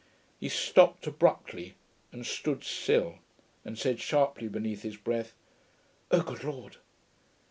He stopped abruptly and stood still, and said sharply beneath his breath, 'Oh, good Lord!'